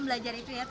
belajar itu ya